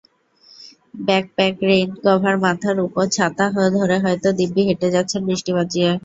Backpack rain কভারমাথার ওপর ছাতা ধরে হয়তো দিব্যি হেঁটে যাচ্ছেন বৃষ্টি বাঁচিয়ে।